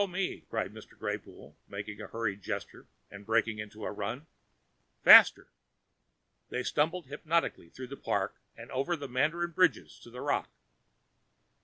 "Follow me!" cried Mr. Greypoole, making a hurried gesture and breaking into a run. "Faster!" They stumbled hypnotically through the park, over the Mandarin bridges to the rock.